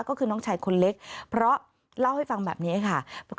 ก็คือน้องชายคนเล็กเพราะเล่าให้ฟังแบบนี้ค่ะ